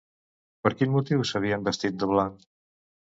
Per quin motiu s'havien vestit de blanc?